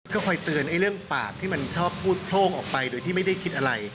ก็คอยเตือนเรื่องปากที่มันชอบพูดโพร่งออกไปโดยที่ไม่ได้คิดอะไร